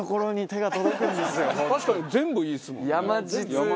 確かに全部いいですもんね。